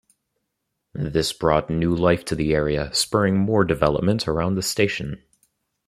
This brought new life to the area, spurring more development around the station.